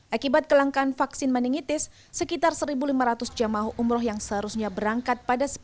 akibat kelangkaan vaksin meningitis sekitar satu lima ratus jamaah umroh yang seharusnya berangkat pada